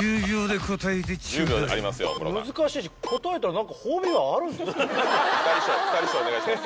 ［１０秒で答えてちょうだい］ピタリ賞お願いします。